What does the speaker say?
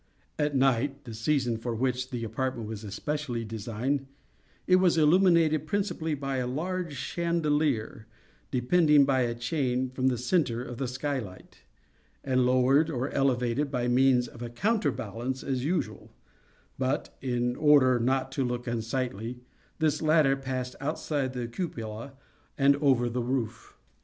At night (the season for which the apartment was especially designed) it was illuminated principally by a large chandelier, depending by a chain from the centre of the sky light, and lowered, or elevated, by means of a counter balance as usual; but (in order not to look unsightly) this latter passed outside the cupola and over the roof.